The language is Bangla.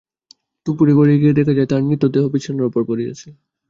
দুপুরে ঘরে গিয়ে দেখা যায়, তার নিথর দেহ বিছানার ওপর পড়ে আছে।